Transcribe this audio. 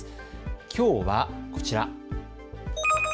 きょうは、こちら。